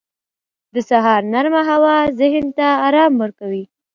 • د سهار نرمه هوا ذهن ته آرام ورکوي.